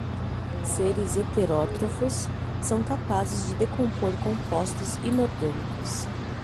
Seres heterótrofos são capazes de decompor compostos inorgânicos